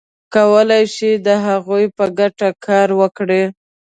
کولای شي د هغوی په ګټه کار وکړي.